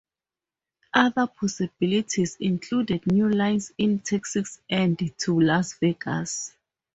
Other possibilities included new lines in Texas and to Las Vegas.